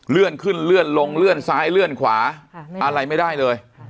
เลื่อนขึ้นเลื่อนลงเลื่อนซ้ายเลื่อนขวาอะไรไม่ได้เลย